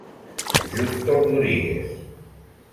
Justo Rodríguez.